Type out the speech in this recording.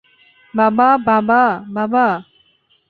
বাবা বাবা বাবা!